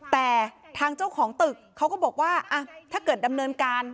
แต่ทางเจ้าของตึกเขาก็บอกว่าถ้าเกิดดำเนินการ